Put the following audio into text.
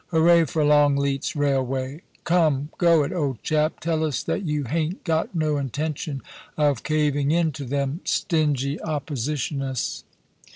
Hooray for Longleat's railway ! Come, go it, old chap ! Tell us that you hain't got no intention of caving in to them stingy oppositionists.'